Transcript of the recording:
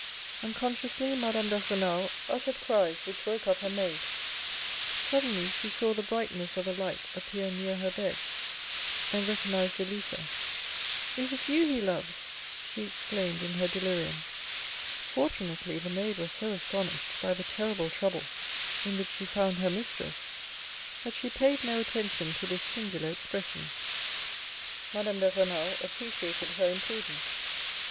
Unconsciously, Madame de Renal uttered cries which woke up her maid. Suddenly she saw the brightness of a light appear near her bed, and recognized Elisa. " Is it you he loves ?" she exclaimed in her delirium. Fortunately, the maid was so astonished by the terrible trouble in which she found her mistress that she paid no attention to this singular expression. Madame de Renal appreciated her imprudence.